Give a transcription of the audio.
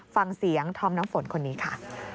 ฟังเสียงธอมน้ำฝนคนนี้ค่ะ